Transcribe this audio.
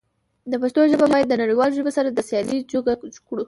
د پښتو ژبه بايد د نړيوالو ژبو سره د سيالی جوګه کړو.